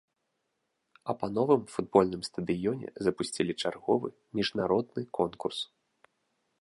А па новым футбольным стадыёне запусцілі чарговы міжнародны конкурс.